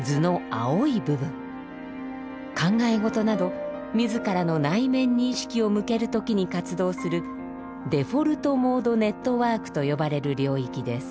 考え事など自らの内面に意識を向ける時に活動するデフォルトモードネットワークと呼ばれる領域です。